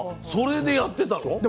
それでやってたの？